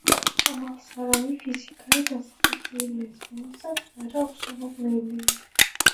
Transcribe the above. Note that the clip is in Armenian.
Համալսարանի ֆիզիկայի դասախոսների մեծ մասը նրա ուսանողներն էին։